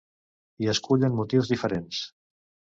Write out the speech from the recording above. Hi escullen motius diferents.